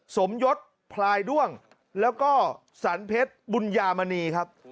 สมยศพลายด้วงแล้วก็สรรเพชรบุญยามณีครับ